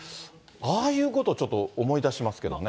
ああいうことちょっと思い出しますけどね。